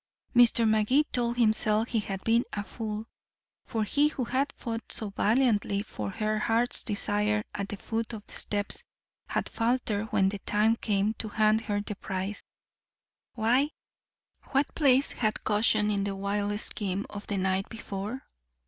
Mr. Magee told himself he had been a fool. For he who had fought so valiantly for her heart's desire at the foot of the steps had faltered when the time came to hand her the prize. Why? What place had caution in the wild scheme of the night before?